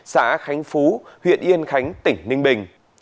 xã khánh phú huyện yên khánh tỉnh ninh bình